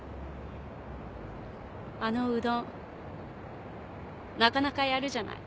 あのうどんなかなかやるじゃない。